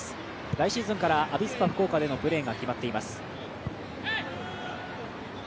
来シーズンからアビスパ福岡のプレーが決まっています。